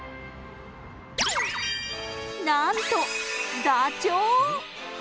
なんと、ダチョウ。